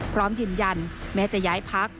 พร้อมยืนยันแม้จะย้ายพัก